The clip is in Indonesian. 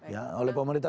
ya oleh pemerintah